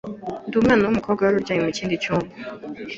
undi mwana w’umukobwa yari aryamye mu kindi cyumba